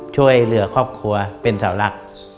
ช่วยเหลือครอบครัวเป็นสาวรัก